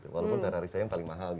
walaupun terari saya yang paling mahal